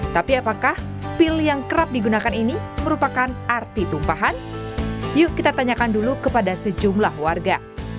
tapi apakah spill yang kerap digunakan ini merupakan arti tumpahan yuk kita tanyakan dulu kepada sejumlah warga